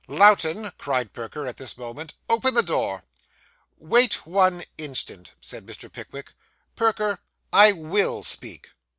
'Lowten!' cried Perker, at this moment. 'Open the door.' 'Wait one instant,' said Mr. Pickwick. 'Perker, I _will _speak.